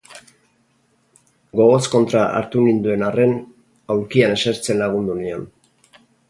Gogoz kontra hartu ninduen arren, aulkian esertzen lagundu nion.